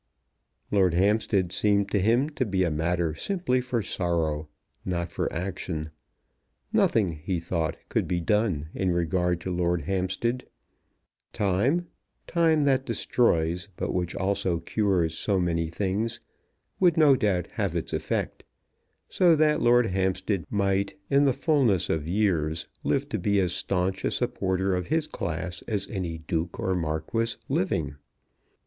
Lord Hampstead seemed to him to be a matter simply for sorrow, not for action. Nothing, he thought, could be done in regard to Lord Hampstead. Time, time that destroys but which also cures so many things, would no doubt have its effect; so that Lord Hampstead might in the fulness of years live to be as staunch a supporter of his class as any Duke or Marquis living.